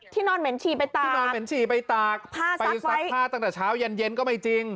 ที่นอนเหม็นชี้ไปตากไปวิศักดีผ้าตั้งแต่เช้าเย็นก็ไม่จริง